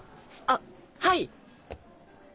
あっはい！